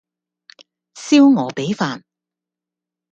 燒鵝髀飯